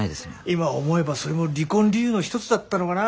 今思えばそれも離婚理由の一つだったのかな。